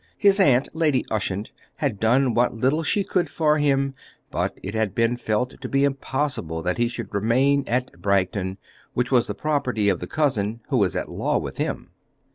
His aunt, Lady Ushant, had done what little she could for him, but it had been felt to be impossible that he should remain at Bragton, which was the property of the cousin who was at law with him.